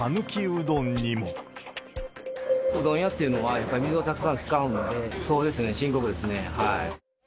うどん屋っていうのは、やっぱり水をたくさん使うんで、そうですね、深刻ですね。